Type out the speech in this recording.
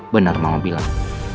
bener mau bilang